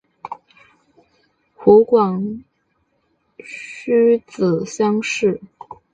湖广戊子乡试。